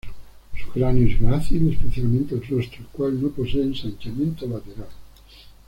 Su cráneo es grácil, especialmente el rostro, el cual no posee ensanchamiento lateral.